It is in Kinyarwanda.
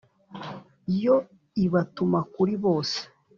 yo ibatuma kuri bose